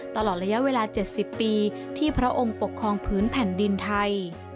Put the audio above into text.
ตลอดระยะเวลา๗๐ปีที่พระองค์ปกครองพื้นแผ่นดินไทย